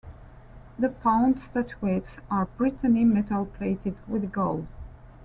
The -pound statuettes are Britannia metal plated with gold.